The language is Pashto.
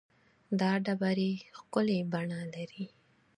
دا ډبرې ښکلې بڼه لري.